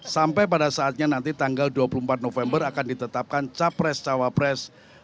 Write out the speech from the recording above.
sampai pada saatnya nanti tanggal dua puluh empat november akan ditetapkan capres cawapres